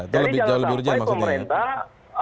jadi jangan sampai pemerintah